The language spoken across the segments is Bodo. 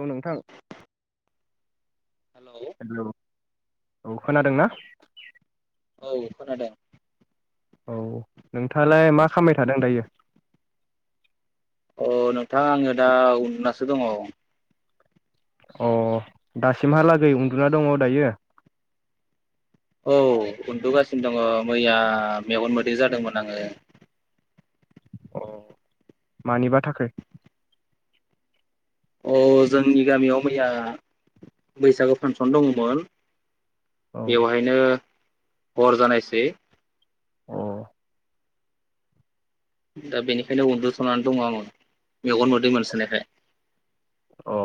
औ नोंथां। हेल' हेलौ औ खोनादोंना? औ खोनादों। औ नोंथाङालाय मा खामबाय थादों दायो। अ नोंथां आङो दा उन्दुनासो दङ। अ दासिमहालागै उन्दुना दङ दायो। उन्दुगासिनो दङ मैया मेगन मोदै जादोंमोन आङो। अ मानिबा थाखो। अ जोंनि गामियाव मैया बैसागो फांसन दङमोन। औ बेवहायनो। हर जानायसै अ। दा बेनिखायनो उनन्दुथ'नानै दङ आङो मेगन मोदै मोनसोनायखाय। अ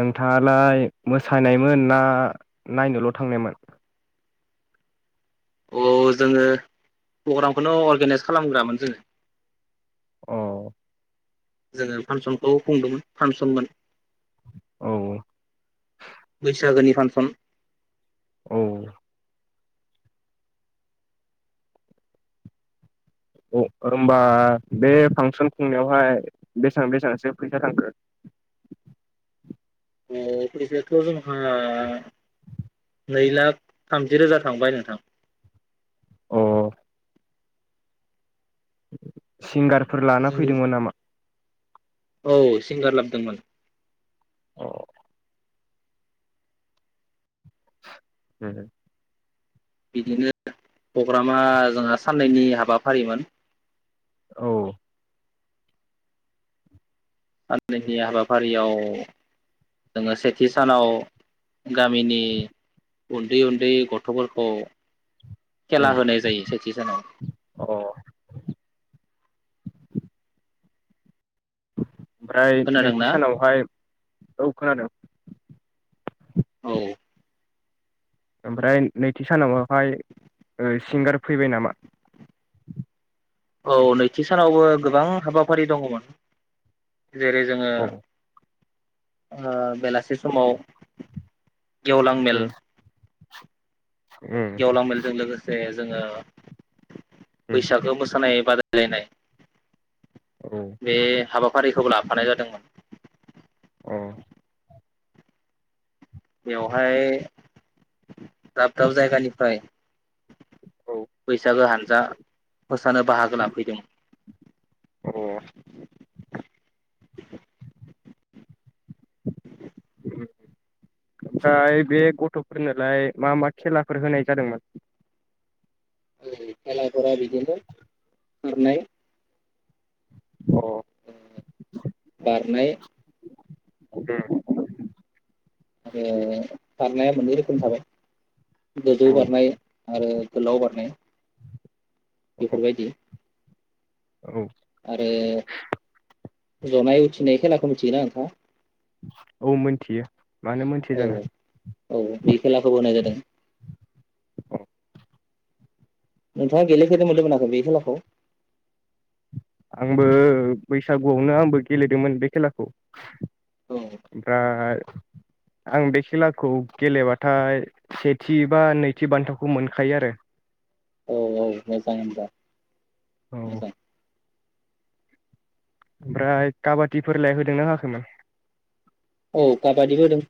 नोंथाङालाय मोसानायमोन ना नायनोल' थांनायमोन। औ जोङो प्रग्रामखौनो अर्गेनाइस खालामग्रामोन जोङो। औ। जोङो फांसनखौ खुदोंमोन फांसनमोन। औ बैसागोनि। पासन औ औ होमबा बे फांसन खुंनायावहाय बेसेबां बेसेबांसो फैसा थांगोन। बेखथ' जोंहा नै लाख थामजि रोजा थांबाय नोंथां। अ। सिंगार फोर लाना जों फैदोंमोन नामा? औ सिंगार लाबोदोंमोन। अ ह [unintelligible] बिदिनो प्रग्रामा जोंहा साननैनि हाबाफारिमोन औ साननैनि हाबाफारियाव जोङो सेथि सानाव गामिनि उन्दै उन्दै गथ'फोरखौ खेला उम होनाय जायो सेथि सानाव अ ओमफ्राय नैथि खोनादोंना सानावहाय औ खोनादों औ ओमफ्राय नैथि सानावहाय सिंगार फैबाय नामा औ नैथि सानावबो गोबां हाबाफारि दङमोन जेरै जोङो औ ओ बेलासि समाव गेवलां मेल उम उम गेवलां मेलजों लोगोसे जोङो बैसागो मोसानाय बादाय लायनाय उम बे हाबा हाबाफारिखौ लाफानाय जादोंमोन। औ बेवहाय दाब दाब जायगानिफ्राय औ बैसागो हानजा मोसानो बाहागो लाफैदों अह [inaudible] ओमफ्राय बे गथ'फोरनोलाय मा मा खेलाफोर होनाय जादोंमोन। खेलाफोरा बिदिनो खारनाय अ बारनाय उम आरो बारनाया मोननै रोखोमनि थाबाय गोजौ औ बारनाय आरो गोलाव बारनाय बेफोरबायदि औ आरो जनाय उथिनाय खेलाखौ मिथियोना नोंथाङा औ मिथियो मानो मोनथिया औ जानो औ बे खेलाखौबो होनाय जादों। अ नोंथाङा गेलेफेरनो मोन्दों ना मोनाखै बे खेलाखौ आंबो बैसागुआवनो आंबो गेलेदोंमोन बे खेलाखौ। औ ओमफ्राय आं बे खेलाखौ गेलेबाथाय सेथि बा नैथि बान्थाखौ मोनखायो आरो औ औ मोजां ओमबा औ ओमफ्राय काबादिफोरलाय होदोंना होआखैमोन? औ काबादि होदों।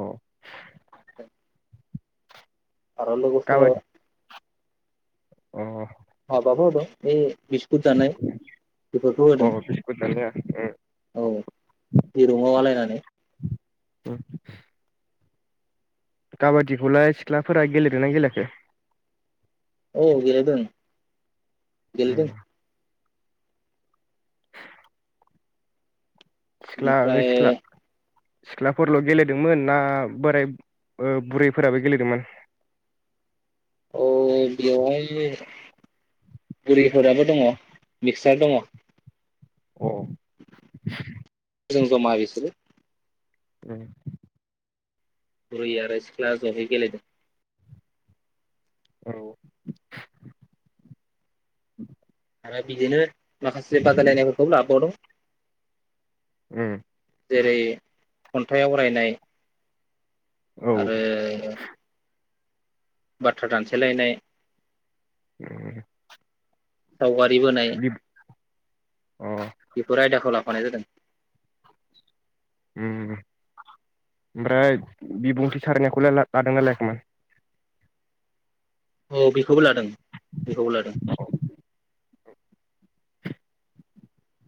अ अ आरो लोगोसे काबादि अ हाबाबो होदों ए बिस्कुट जानाय बेफोरखौ अ होदों बिस्कुट दानिया औ दिरुंआव आलायनानै उम काबादिखौलाय सिख्लाफोरा गेलेदोंना गेलेयाखै? औ गेलेदों। गेलेदों। उम सिख्ला ओ बेनिफ्राय सिख्ला सिख्लाफोरल' गेलेदोंमोन ना बोराय ओ बुरैफोराबो गेलेदोंमोन? औ बेयावहाय बुरिफोराबो दङ मिक्सार दङ। अ जों जमा बिसोरो औ बुरै आरो सिख्ला जहै गेलेदों। औ आरो बिदिनो माखासे बादायलायनायफोरखौ लाबावदों। जेरै खन्थाइ आवरायनाय औ उम औ आरो बाथ्रा दानथेलायनाय उम सावगारि बोनाय बि अ बेफोर आयदाखौ लाफानाय जादों। उम ओ ओमफ्राय बिबुंथि सारनायखौलाय ला लादोंना लायाखैमोन? औ बेखौबो लादों बेखौबो लादों।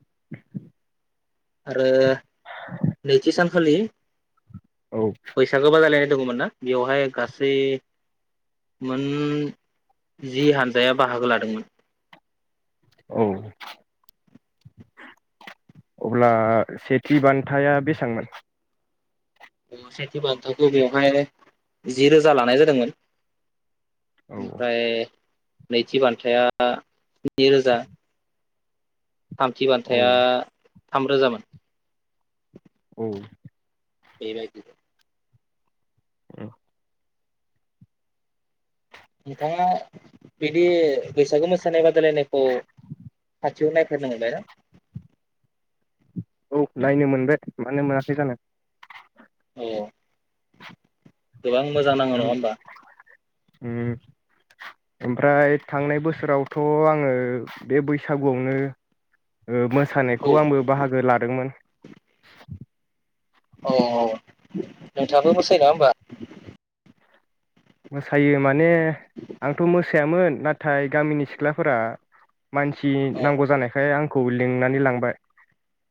[unintelligible] आरो नैथि सान खालि औ बैसागो बादायलायनाय दङमोन ना बेवहाय गासै मोन जि हान्जाया बाहागो लादोंमोन औ अब्ला सेथि बान्थाया बेसांमोन? सेथि बान्थाखौ बेवहाय जि रोजा लानाय जादोंमोन। औ ओमफ्राय नैथि बान्थाया स्नि रोजा। थामथि औ बान्थाया थामरोजामोन औ बेबायदिनो उम नोंथाङा बिदि बैसागु मोसानाय बादायलायनायखौ खाथियाव नायफारनो मोनबाय ना? औ नायनो मोनबाय मानो मोनाखै जानो। औ गोबां मोजां नाङौ उम नङा होमबा? उम ओमफ्राय थांनाय बोसोरावथ' आङो बे बैसागुआवनो ओ औ मोसानायखौ आंबो बाहागो लादोंमोन। औ औ नोंथां आथ मोसायो नङा होमबा? मोसायो माने आंथ' मोसायामोन नाथाय गामिनि सिख्लाफोरा मानसि औ नांगौ जानायखाय आं खौ लिंनानै लांबाय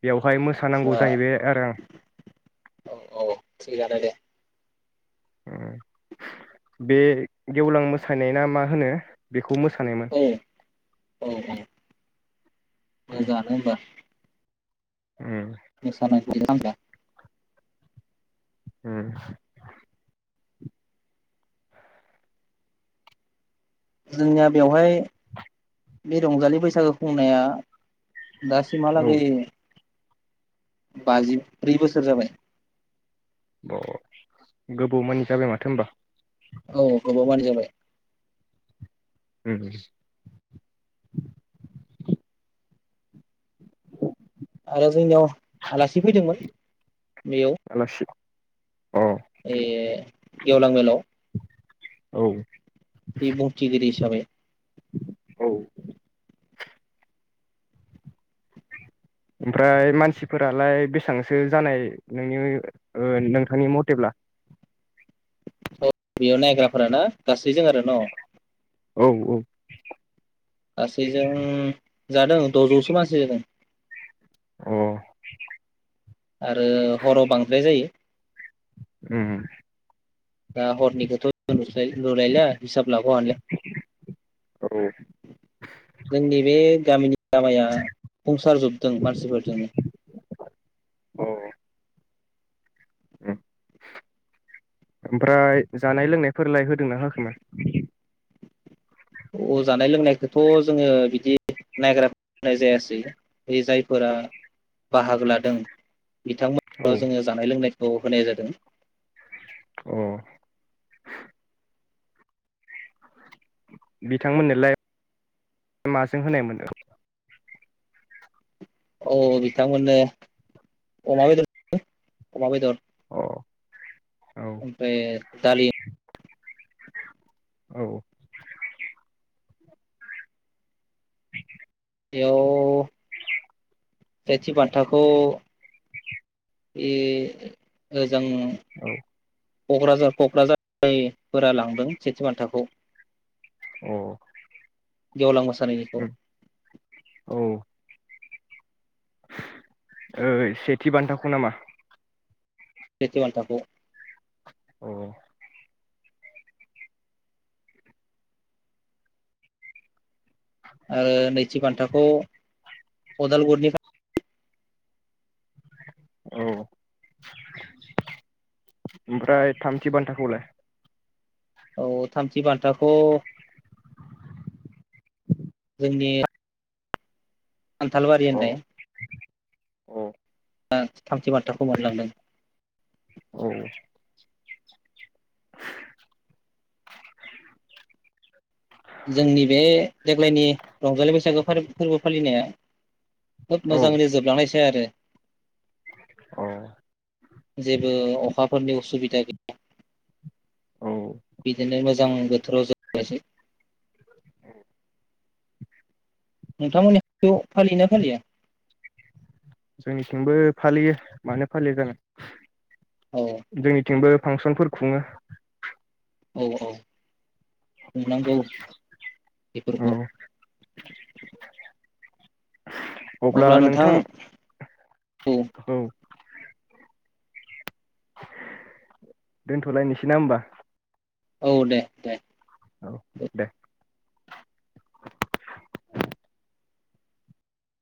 बेवहाय मोसानांगौ आदसा जाहैबाय आरो आं। औ औ थिगानो दे बे गेवलां मोसानाय ना मा होनो खौ औ औ मोसानायमोन उम मोसानाय [unintelligible] हम जोंनिया बेवहाय बे रंजालि बैसागो खुंनाया दसिम माला औ गै बाजिब्रै बोसोर जाबाय। गोबाव मानि जाबाय माथो होनोमबा। औ गोबावाबानो जाबाय उम आरो जोंनियाव आलासि फैदोंमोन बेयाव आलासि अ ए गेवलां बेलाव औ बे बुंथिगिरि हिसाबै औ ओमफ्राय मानसिफोरालाय बेसांसो जानाय नोंनि ओ नोंथांनि म'थेब्ला औ बेयाव नायग्राफोरा ना? गासैजों आरो न' औ गासैजों जादों द'जौसो मानसि जादों। अ। आरो हराव बांद्राय जायो। उम दा हरनिखौथ' नुस्लाय नुलायला हिसाब लाग' हालिया। औ जोंनि बे गामिनि लामाया बुंसारजोबदों मानसिफोरजोंनो औ औ। ओमफ्राय जानाय लोंनायफोरलाय होदों ना होङाखैमोन? अ जानाय लोंनायखोथ' जोङो बिदि नायग्रानाय जायासै बे जायफोरा बाहागो लादों औ बिथांमोनाव जोङो जानाय लोंनाय खौ होनाय जादों। अ। बिथांमोननोलाय माजों होनायमोन? औ बिथांमोननो अमा बेदर [unintelligible] अमा बेदर। औ औ ओमफ्राय दालि औ। इयाव सेथि बान्थाखौ इ ओजों औ। क'क्राझार क'क्राझारफोरा लांदों सेथि बान्थाखौ। अ। गेवलां मोसा उम औ। ओइ सेथि बान्थाखौ नामा? सेथि बान्थाखौ। अ। आरो नैथि बान्थाखौ अदालगुरिनि [unintelligible] औ ओमफ्राय थामथि बान्थाखौलाय? औ थामथि बान्थाखौ जोंनि खान्थालबारि होननाय अ। [unintelligible] थामथि बान्थाखौ मोनलांदों। औ जोंनि बे देग्लायनि रंजालि बैसागो फा फोरबो फालिनाया खोब औ मोजाङैनो जोबलांनायसै आरो अ जेबो अखा फोरनि असुबिदा गैया। औ बिदिनो मोजां बोथोराव ज नायसै [unintelligible] नोंथांमोननि खाथियाव याव फालियोना फालिया? जोंनिथिंबो फालियो मानो फालियो जानो। औ जोंनिथिंबो फांसनफोर खुङो। औ औ खुंनांगौ औ बेफोरखौ। अब्ला नोंथां औ दोनथ'लायनोसै ना हबा औ दे दे औ दे